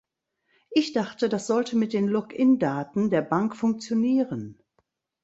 Ich dachte, das sollte mit den Logindaten der Bank funktionieren?